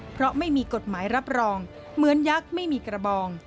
เพราะไม่มีกฎหมายรับรองเหมือนยักษ์ไม่มีกระบอง